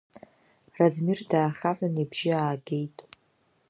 Радмир даахьаҳәын, ибжьы аагеит.